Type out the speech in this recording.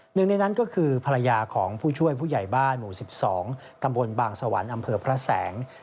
หนึ่งในนั้นก็คือภรรยาของผู้ช่วยผู้ใหญ่บ้านหมู่๑๒ตำบลบางสวรรค์อำเภอพระแสง